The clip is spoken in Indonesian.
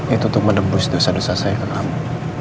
itu untuk menebus dosa dosa saya ke kamu